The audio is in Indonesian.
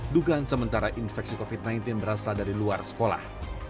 dugaan sementara infeksi covid sembilan belas berasal dari luar sekolah